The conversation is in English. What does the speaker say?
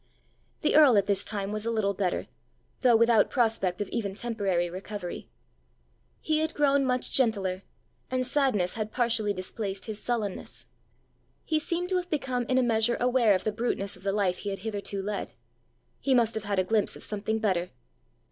The earl at this time was a little better, though without prospect of even temporary recovery. He had grown much gentler, and sadness had partially displaced his sullenness. He seemed to have become in a measure aware of the bruteness of the life he had hitherto led: he must have had a glimpse of something better.